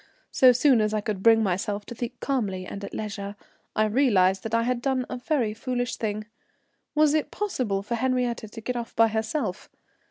So soon as I could bring myself to think calmly and at leisure, I realized that I had done a very foolish thing. Was it possible for Henriette to get off by herself?